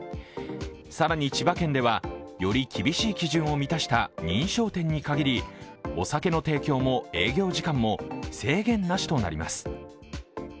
更に千葉県ではより厳しい基準を満たした認証店にかぎりお酒の提供も営業時間も制限なしとなります。